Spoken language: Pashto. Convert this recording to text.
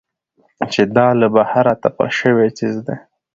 چې دا له بهره تپل شوى څيز دى.